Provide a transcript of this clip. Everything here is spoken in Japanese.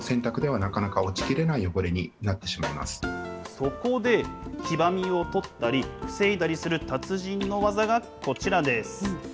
そこで、黄ばみを取ったり防いだりする達人の技がこちらです。